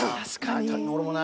俺もない。